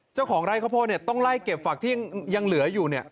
เจ้าของไร่ข้าวโพดต้องไล่เก็บฝักที่ยังเหลืออยู่